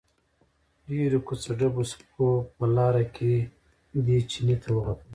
ډېرو کوڅه ډبو سپو په لاره کې دې چیني ته وغپل.